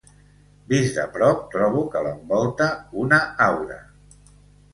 Vist de prop, trobo que l'envolta una aura.